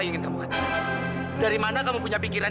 ya dari penipuan pak penipuan